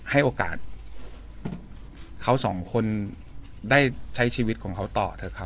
ให้โอกาสเขาสองคนได้ใช้ชีวิตของเขาต่อเถอะครับ